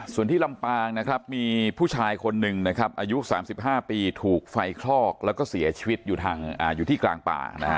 ส่วนที่ลำปางนะครับมีผู้ชายคนหนึ่งนะครับอายุ๓๕ปีถูกไฟคลอกแล้วก็เสียชีวิตอยู่ที่กลางป่านะฮะ